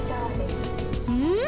うん？